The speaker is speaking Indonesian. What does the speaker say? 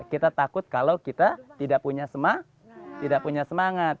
kita takut kalau kita tidak punya semangat